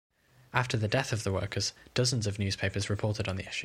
After the death of the workers, dozens of newspapers reported on the issue.